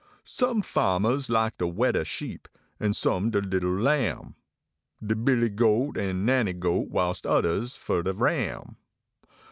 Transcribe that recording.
Some fa mers like de wedder sheep, en some de little lam , De billy goat, an nanny goat, whilst odders fer de ram.